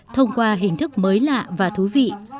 thông qua hình thức mới lạ và thú vị